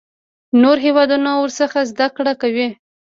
نور هیوادونه ورڅخه زده کړه کوي.